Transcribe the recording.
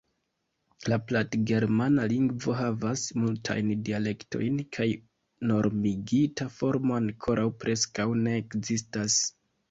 La platgermana lingvo havas multajn dialektojn kaj normigita formo ankoraŭ preskaŭ ne ekzistas.